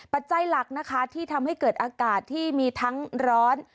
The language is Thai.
ปัจจัยหลักนะคะที่ทำให้เกิดอากาศที่มีทั้งร้อน